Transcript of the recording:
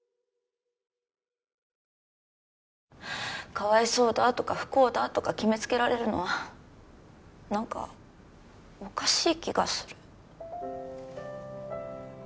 かわいそうだとか不幸だとか決めつけられるのはなんかおかしい気がする。